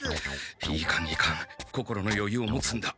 いかんいかん心のよゆうを持つんだ。